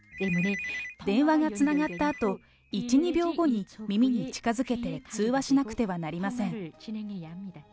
電話がつながったあと、１、２秒後に、耳に近づけて、通話しなくてはなりません。